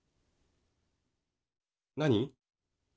何？